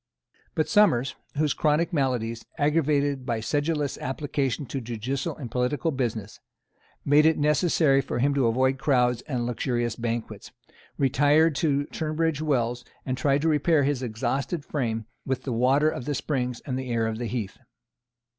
But Somers, whose chronic maladies, aggravated by sedulous application to judicial and political business, made it necessary for him to avoid crowds and luxurious banquets, retired to Tunbridge Wells, and tried to repair his exhausted frame with the water of the springs and the air of the heath.